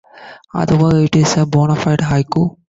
Otherwise, it is a bona-fide haiku.